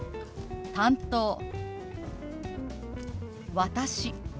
「私」。